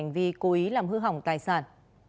vì cố ý làm hư hỏng tài sản